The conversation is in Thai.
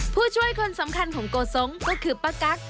ผู้ช่วยคนสำคัญของโกสงค์ก็คือป้ากั๊ก